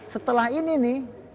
setelah ini nih